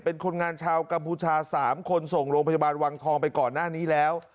เป็นคนงานชาวกัมพูชา๓คนส่งโรงพยาบาลวังทองไปก่อนหน้านี้แล้ว